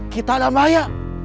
kita dalam bahaya